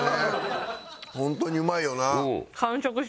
ホントにうまいよな。